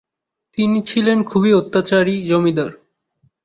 তিনি ছিলেন খুবই অত্যাচারী জমিদার।